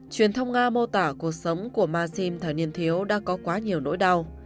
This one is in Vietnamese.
truyền thông nga mô tả cuộc sống của maxim thời niên thiếu đã có quá nhiều nỗi đau